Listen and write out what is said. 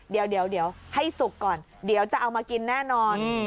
เดี๋ยวให้สุกก่อนเดี๋ยวจะเอามากินแน่นอน